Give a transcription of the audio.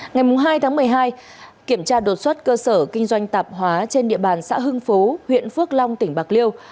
ngày hai tháng một mươi hai kiểm tra đột xuất cơ sở kinh doanh tạp hóa trên địa bàn xã hưng phú huyện phước long tỉnh bạc liêu